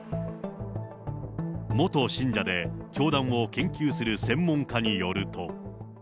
元信者で教団を研究する専門家によると。